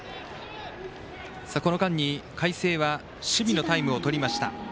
この間に海星は守備のタイムをとりました。